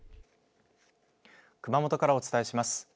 熊本からお伝えします。